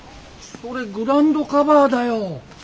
それグラウンドカバーだよ。